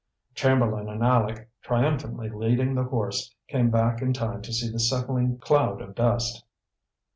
Chamberlain and Aleck, triumphantly leading the horse, came back in time to see the settling cloud of dust.